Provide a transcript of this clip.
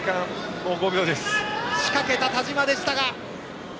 仕掛けた田嶋でしたが。